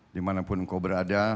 dimanapun kau berada